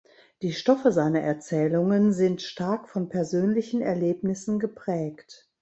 Die Stoffe seiner Erzählungen sind stark von persönlichen Erlebnissen geprägt.